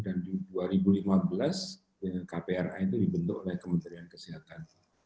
di dua ribu lima belas kpra itu dibentuk oleh kementerian kesehatan